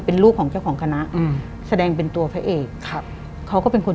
เป็นลูกของเจ้าของคณะอืมแสดงเป็นตัวพระเอกครับเขาก็เป็นคน